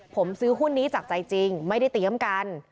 ผมซื้อหุ้นนี้จากใจจริงไม่ได้เตรียมกัน